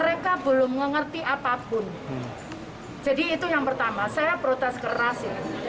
saya protes keras